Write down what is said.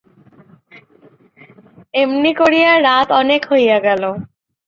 এমনি করিয়া রাত অনেক হইয়া গেল।